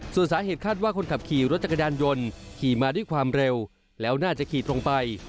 ส่วนสาเหตุคาดว่าคนขับขี่รถจักรยานยนต์ขี่มาด้วยความเร็วแล้วน่าจะขี่ตรงไป